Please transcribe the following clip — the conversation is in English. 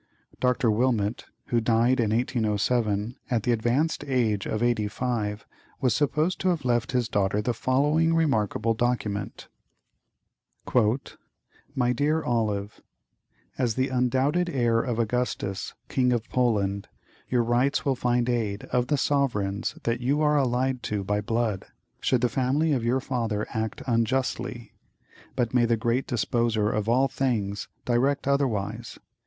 Dr. Wilmot, who died in 1807, at the advanced age of eighty five, was supposed to have left his daughter the following remarkable document: "MY DEAR OLIVE, As the undoubted heir of Augustus, King of Poland, your rights will find aid of the sovereigns that you are allied to by blood, should the family of your father act unjustly; but may the great Disposer of all things direct otherwise.